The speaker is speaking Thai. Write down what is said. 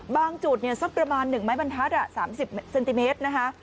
บางจุดสักประมาณ๑ไม้บรรทัศน์๓๐เซนติเมตรนะคะ